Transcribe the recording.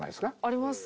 あります